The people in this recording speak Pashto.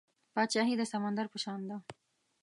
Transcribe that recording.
پاچاهي د سمندر په شان ده .